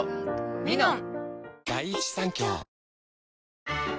「ミノン」